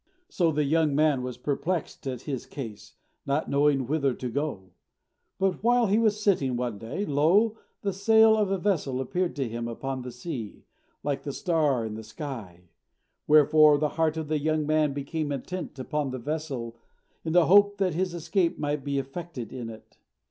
So the young man was perplexed at his case, not knowing whither to go; but while he was sitting one day, lo! the sail of a vessel appeared to him upon the sea, like the star in the sky; wherefore the heart of the young man became intent upon the vessel, in the hope that his escape might be effected in it.